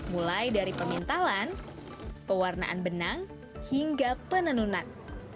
mulai dari pemintalan pewarnaan benang hingga penenunan